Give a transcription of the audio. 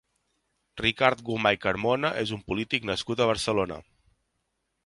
Ricard Gomà i Carmona és un polític nascut a Barcelona.